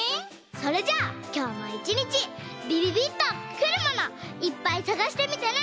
それじゃあきょうもいちにちびびびっとくるものいっぱいさがしてみてね。